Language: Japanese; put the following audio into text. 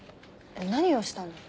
何をしたの？